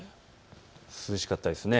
涼しかったですね。